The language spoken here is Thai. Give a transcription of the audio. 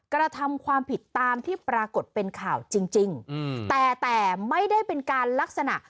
กระทำความผิดตามที่ปรากฏเป็นข่าวจริงจริงแต่แต่ไม่ได้เป็นการลักษณะ